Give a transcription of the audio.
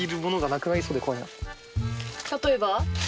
例えば？